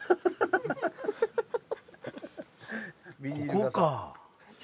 ここか。